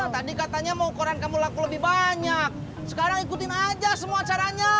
tadi katanya mau koran kamu laku lebih banyak sekarang ikutin aja semua caranya